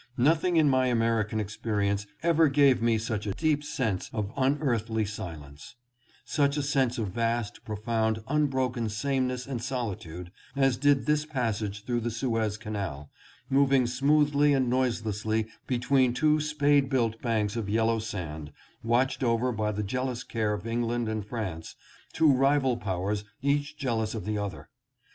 Nothing in my American experience ever gave me such a deep sense of unearthly silence, such a sense of vast, profound, unbroken sameness and solitude, as did this passage through the Suez Canal, moving smoothly and noise lessly between two spade built banks of yellow sand, watched over by the jealous care of England and France, two rival powers each jealous of the other.